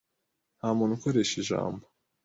Ntamuntu ukoresha ijambo.